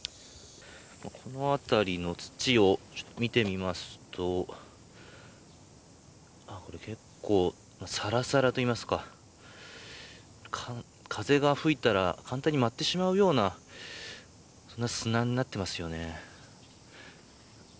この辺りの土を見てみますと結構、さらさらといいますか風が吹いたら簡単に舞ってしまうようなそんな砂になっていますよね。